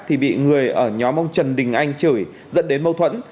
thì bị người ở nhóm ông trần đình anh chửi dẫn đến mâu thuẫn